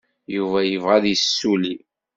Yuba yebɣa ad yessulli.